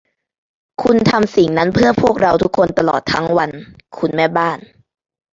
คุณทำสิ่งนั้นเพื่อพวกเราทุกคนตลอดทั้งวัน คุณแม่บ้าน